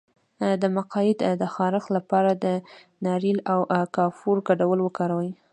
د مقعد د خارښ لپاره د ناریل او کافور ګډول وکاروئ